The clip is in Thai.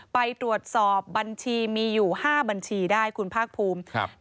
ไปตรวจสอบบัญชีมีอยู่๕บัญชีได้คุณภาคภูมิครับ